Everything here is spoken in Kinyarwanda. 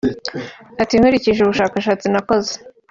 Ati "Nkurikije ubushakashatsi nakoze